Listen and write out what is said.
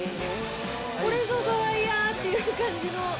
これぞドライヤーっていう感じの。